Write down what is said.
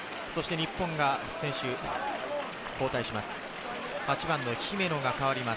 日本が選手交代します。